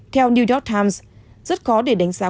theo new york times rất khó để đánh giá